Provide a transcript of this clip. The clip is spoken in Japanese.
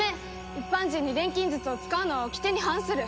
一般人に錬金術を使うのは掟に反する。